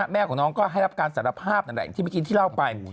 แม่ของน้องก็ให้รับการสารภาพที่ไม่ทิ้งที่เล่าไป